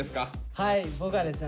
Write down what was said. はい僕はですね